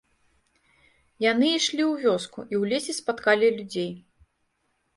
Яны ішлі ў вёску і ў лесе спаткалі людзей.